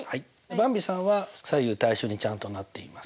ばんびさんは左右対称にちゃんとなっています。